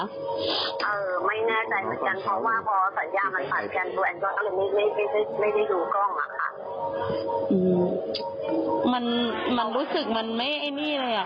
ไม่แน่ใจเหมือนกันเพราะว่าพอสัญญาณมันผ่านเพียงดูไม่ได้ดูกล้องอ่ะค่ะ